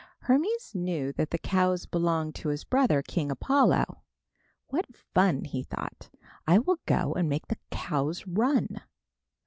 Hermes knew that the cows belonged to his brother, King Apollo. "What fun," thought he, "I will go and make the cows run."